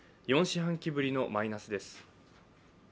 ４四半期ぶりのマイナスです。